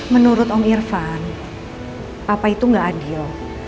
menurut om irfan papa itu gak adil